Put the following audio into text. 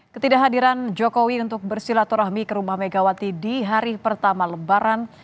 ketidakhadiran jokowi untuk bersilaturahmi ke rumah megawati di hari pertama lebaran